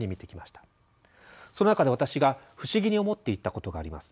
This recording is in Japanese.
その中で私が不思議に思っていたことがあります。